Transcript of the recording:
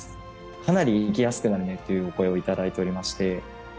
かなり行きやすくなるねという声をいただいておりまして。